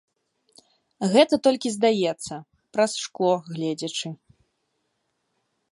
Гэта толькі здаецца, праз шкло гледзячы.